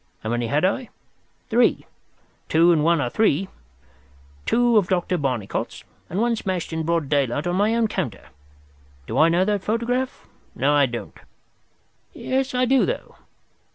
How many had I? Three—two and one are three—two of Dr. Barnicot's, and one smashed in broad daylight on my own counter. Do I know that photograph? No, I don't. Yes, I do, though.